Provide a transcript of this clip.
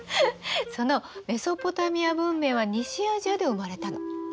そのメソポタミア文明は西アジアで生まれたの。